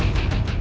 aku akan menang